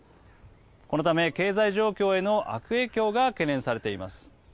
このため、経済状況への悪影響が懸念されています。